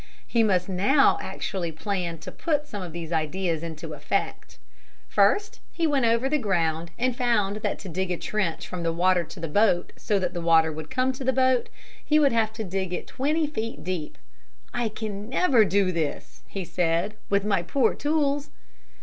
He must now actually plan to put some of these ideas into effect. He first went over the ground and found that to dig a trench from the water to the boat, so that the water would come to the boat, he would have to dig it twenty feet deep. "I can never do this," he said, "with my poor tools."